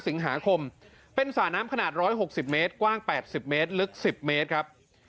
สิงหาคมเป็นสาน้ำขนาดร้อยหกสิบเมตรกว้างแปดสิบเมตรลึกสิบเมตรครับ